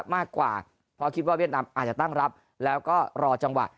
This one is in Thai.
มากกว่าเพราะคิดว่าเวียดนามอาจจะตั้งรับแล้วก็รอจังหวะ